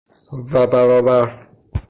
و برابر